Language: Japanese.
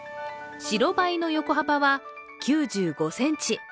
白バイの横幅は９５ｃｍ。